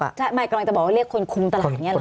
หมายความรู้จักกันจะบอกว่าเรียกคนคุมตลาดอย่างนี้หรอ